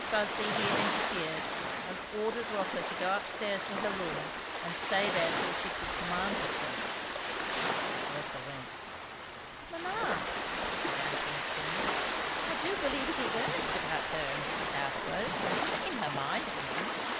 Busby here interfered, and ordered Rotha to go up stairs to her room and stay there till she could command herself. Rotha went. "Mamma," said Antoinette then, "I do believe it is earnest about her and Mr. Southwode. In her mind, I mean.